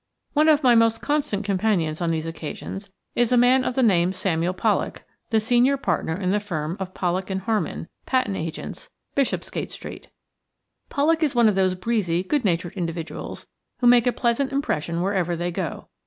One of my most constant companions on these occasions is a man of the name of Samuel Pollak, the senior partner in the firm of Pollak arid Harman, patent agents, Bishopsgate Street. Pollak is one of those breezy, good natured individuals who make a pleasant impression wherever they go.